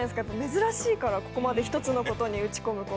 珍しいからここまで一つのことに打ち込む子って。